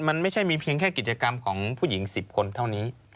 มันไม่ใช่มีเพียงแค่กิจกรรมของผู้หญิง๑๐คนเท่านี้